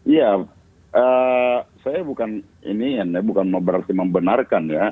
iya saya bukan berarti membenarkan ya